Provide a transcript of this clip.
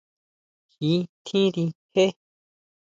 Ji tjínri jé.